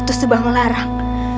atau sebuah melarang